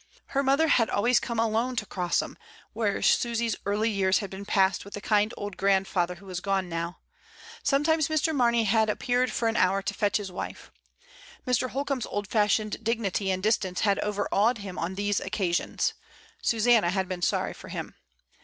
Her mother had always come alone to Crossham, 72 MRS. DYMOND. where Susy's early years had been passed with the kind old grandfather who was gone now: sometimes Mr. Mamey had appeared for an hour to fetch his wife. Mr. Holcombe's old fashioned dignity and distance had overawed him on these occasions. Susanna had been sorry for him.